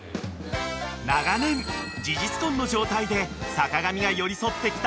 ［長年事実婚の状態で坂上が寄り添ってきた彼女さん］